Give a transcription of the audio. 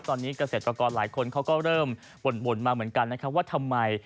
ตอนนี้เกษตรกรหลายคนเขาก็เริ่มบ่นมาเหมือนกันนะครับว่าทำไม